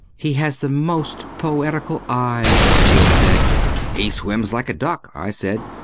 "He has the most poetical eyes," Jill said. "He swims like a duck," I said.